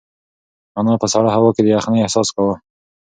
انا په سړه هوا کې د یخنۍ احساس کاوه.